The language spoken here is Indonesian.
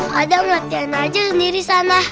mau ada ngelatihan aja sendiri sana